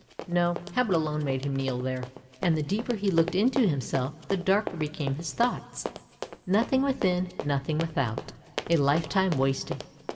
No, habit alone made him kneel there. And the deeper he looked into himself, the darker became his thoughts, " Nothing within, nothing without — a lifetime wasted!